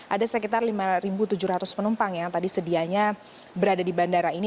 ada sekitar lima tujuh ratus penumpang yang tadi sedianya berada di bandara ini